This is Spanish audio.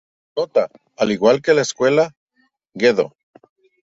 Nota: Al igual que la escuela Gedo.